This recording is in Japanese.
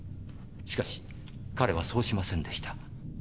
しかし彼はそうしませんでした。